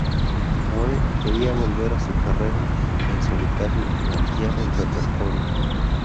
Moore quería volver a su carrera en solitario y ampliar el repertorio.